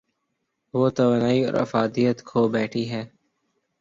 وہ توانائی اورافادیت کھو بیٹھی ہے۔